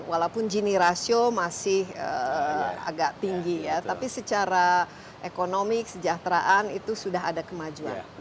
walaupun gini rasio masih agak tinggi ya tapi secara ekonomi kesejahteraan itu sudah ada kemajuan